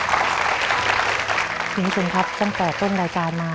คุณผู้ชมครับตั้งแต่ต้นรายการมา